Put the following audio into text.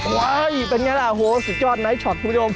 โว้ยเป็นอย่างนั้นโหสุดยอดไหมช็อกผู้ชม